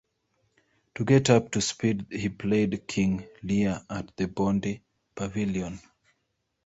To get up to speed he played King Lear at the Bondi Pavilion.